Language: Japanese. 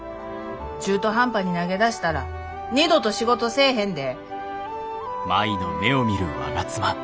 中途半端に投げ出したら二度と仕事せえへんで。